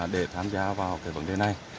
để tham gia vào vấn đề này